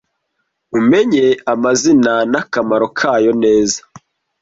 umenye amazina n akamaro kayo neza